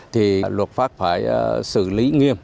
thì luật pháp phải xử lý nghiêm